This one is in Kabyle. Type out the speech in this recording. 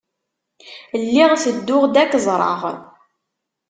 Lliɣ tedduɣ-d ad k-ẓreɣ.